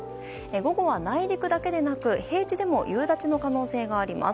午後は内陸だけでなく平地でも夕立の可能性があります。